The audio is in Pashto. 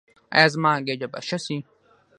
ایا زما ګیډه به ښه شي؟